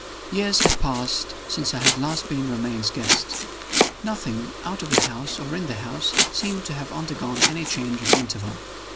Years had passed since I had last been Romayne's guest. Nothing, out of the house or in the house, seemed to have undergone any change in the interval.